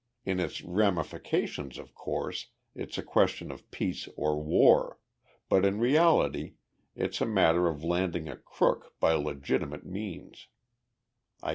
In its ramifications, of course, it's a question of peace or war but in reality it's a matter of landing a crook by legitimate means.